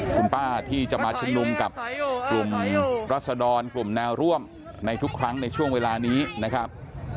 คุณป้าที่จะมาชุมนุมกับกลุ่มรัศดรกลุ่มแนวร่วมในทุกครั้งในช่วงเวลานี้นะครับ